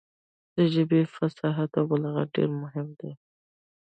د ژبې فصاحت او بلاغت ډېر مهم دی.